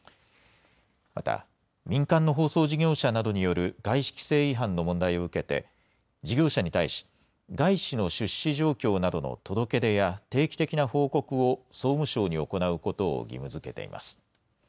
また、民間の放送事業者などによる、外資規制違反の問題を受けて、事業者に対し、外資の出資状況などの届け出や定期的な報告を、総務省に行うことを義務づけています。